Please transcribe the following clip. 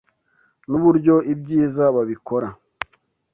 Nuburyo ibyiza babikora.